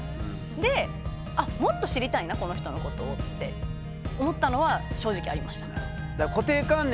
でもっと知りたいなこの人のことをって思ったのは正直ありました。